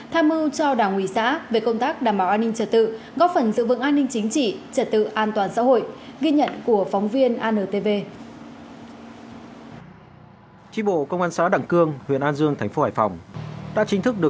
tham mưu cho đảng ủy xã về công tác đảm bảo an ninh trật tự